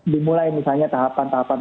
dimulai misalnya tahapan tahapan